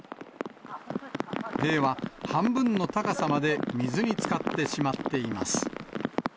塀は半分の高さまで水につかってしまっています。